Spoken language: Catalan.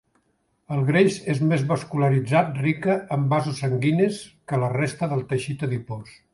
El greix és més vascularitzat rica en vasos sanguinis, que la resta del teixit adipós.